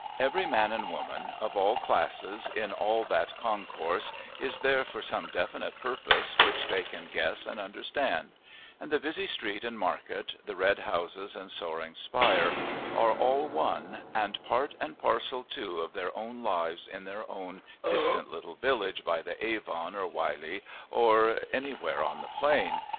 Every man and woman, of all classes, in all that concourse, is there for some definite purpose which they can guess and understand; and the busy street and market, and red houses and soaring spire, are all one, and part and parcel too of their own lives in their own distant little village by the Avon or Wylye, or anywhere on the Plain.